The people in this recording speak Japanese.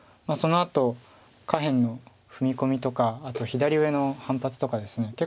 そのあと下辺の踏み込みとかあと左上の反発とかですね。